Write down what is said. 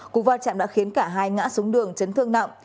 cụ vò chạm đã khiến cả hai ngã xuống đường chấn thương nặng